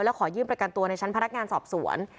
ขอยื่นประกันตัวในชั้นพนักงานสอบสวน